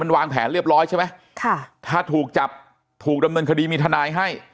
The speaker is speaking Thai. วางแผนเรียบร้อยใช่ไหมค่ะถ้าถูกจับถูกดำเนินคดีมีทนายให้